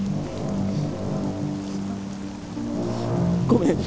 ごめん。